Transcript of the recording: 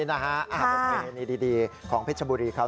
โอเคนี่ดีของเพชรบุรีครับ